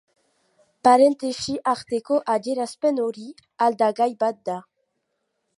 Parentesi arteko adierazpen hori aldagai bat da.